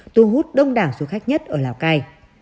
tu hút đông đảng du khách nhất ở lào cai